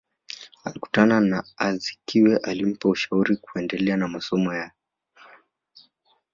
Alikutana na Azikiwe alimpa ushauri kuendelea na masomo yake